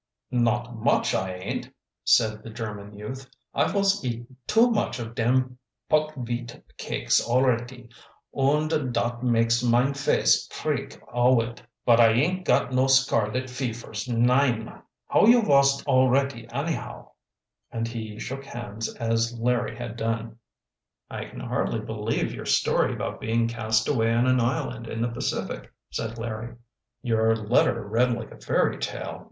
"Not much I ain't," said the German youth. "I vos eat too much of dem puckveat cakes alretty, und dot makes mine face preak owid, put I ain't got no scarlet fefers, nein! How you vos alretty annahow?" And he shook hands as Larry had done. "I can hardly believe your story about being cast away on an island in the Pacific," said Larry. "Your letter read like a fairy tale.